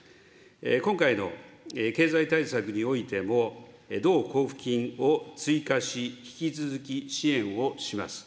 今回の経済対策においても、同交付金を追加し、引き続き支援をします。